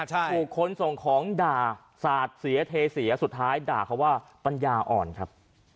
ถูกคนส่งของด่าสาดเสียเทเสียสุดท้ายด่าเขาว่าปัญญาอ่อนครับ